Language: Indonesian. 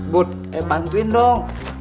bod eh bantuin dong